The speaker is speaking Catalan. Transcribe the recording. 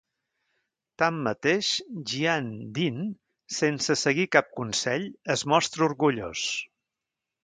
Tanmateix, Gian Dinh, sense seguir cap consell, es mostra orgullós.